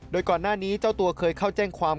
โดยก่อนหน้านี้เจ้าตัวเคยเข้าแจ้งความ